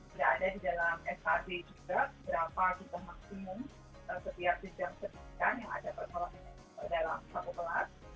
tidak ada di dalam sad juga berapa juga maksimum setiap jam setiap yang ada persoalan dalam satu kelas